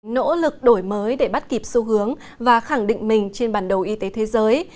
nỗ lực đổi mới để bắt kịp xu hướng và khẳng định mình trên bản đồ y tế thế giới